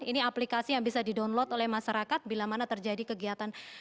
ini aplikasi yang bisa di download oleh masyarakat bila mana terjadi kegiatan